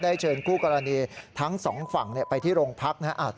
เชิญคู่กรณีทั้งสองฝั่งไปที่โรงพักนะฮะ